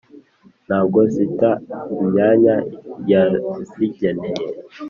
nta bwo zita imyanya yazigeneye.